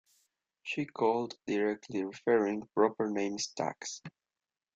She called directly referring proper names "tags".